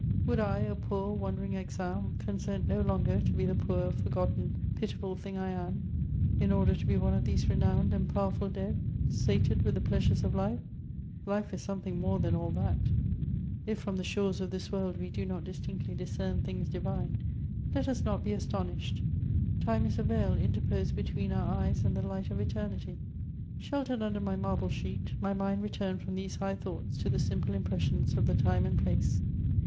Would I, a poor, wandering exile, con sent no longer to be the poor, forgotten, pitiful thing I am, in order to be one of these renowned and powerful dead, sated with the pleasures of life ? life is something more than all that ! If from the shores of this world we do not distinctly discern things divine, let us not be astonished : time is a ved interposed between our eyes and the light of eternity. Sheltered under my marble sheet, my mind returned from these high thoughts to the ample impressions of the time and place.